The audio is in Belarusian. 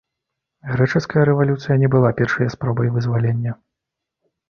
Грэчаская рэвалюцыя не была першай спробай вызвалення.